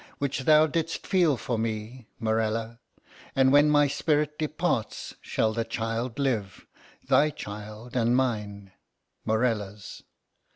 —which thou didst feel for me, Morella. And when my spirit departs shall the child live—thy child and mine, Morella's.